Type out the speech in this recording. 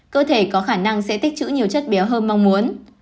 cơ thể có khả năng sẽ tích chữ nhiều chất béo hơn mong muốn